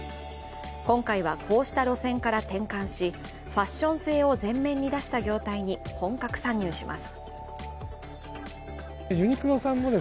今回は、こうした路線から転換し、ファッション性を全面に出した業態に本格参入します。